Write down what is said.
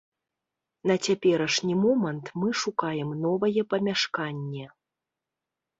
На цяперашні момант мы шукаем новае памяшканне.